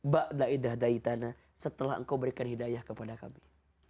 ba'da idha daytana setelah engkau berikan hidayah kepada kami